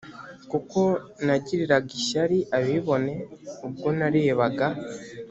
kuko nagiriraga ishyari abibone ubwo narebaga